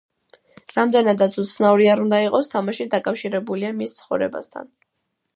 რამდენადაც უცნაური არ უნდა იყოს თამაში დაკავშირებულია მის ცხოვრებასთან.